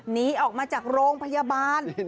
หนีออกมาจากโรงพยาบาล